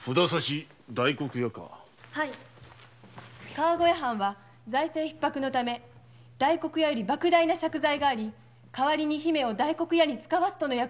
川越藩は財政窮迫のため大黒屋よりばく大な借財があり代わりに姫を大黒屋につかわすとの約束があるとか。